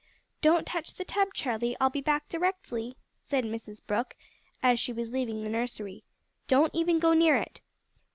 "Don't touch the tub, Charlie; I'll be back directly," said Mrs Brooke, as she was leaving the nursery. "Don't even go near it."